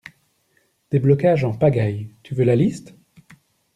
Des blocages en pagaille, tu veux la liste?